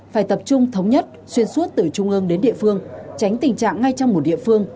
phải tập trung thống nhất xuyên suốt từ trung ương đến địa phương tránh tình trạng ngay trong một địa phương